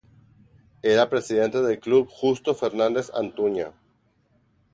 Era presidente del club Justo Fernández Antuña.